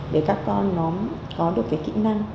để các con nó có được cái kĩ năng